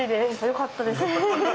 よかったです。